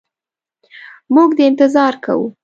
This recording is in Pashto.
موږ دي انتظار کوو.